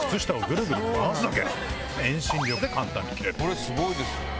これすごいですよね。